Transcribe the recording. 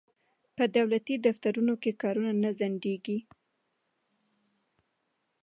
په دولتي دفترونو کې کارونه نه ځنډیږي.